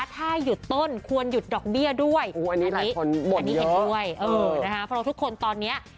ทำควรหยุดดอกเบี้ยด้วย